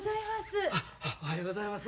おはようございます。